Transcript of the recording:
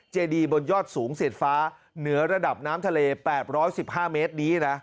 เจดีบนยอดสูงเสียดฟ้าเหนือระดับน้ำทะเลแปบร้อยสิบห้าเมตรนี้นะ